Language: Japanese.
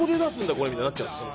これみたいになっちゃうんですよ。